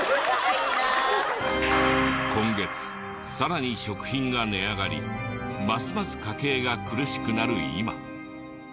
今月さらに食品が値上がりますます家計が苦しくなる今。